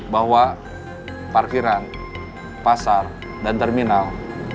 bahwa parkiran pasar dan terminal